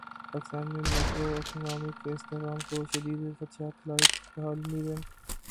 پاکستان میں macro economic استحکام کو شدید خدشات لاحق عالمی بینک